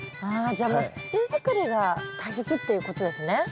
あじゃあもう土づくりが大切っていうことですね。